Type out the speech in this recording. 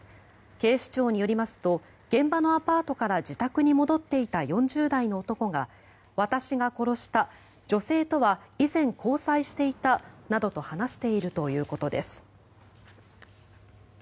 警視庁によりますと現場のアパートから自宅に戻っていた４０代の男が私が殺した女性とは以前交際していたなどと話しているということです。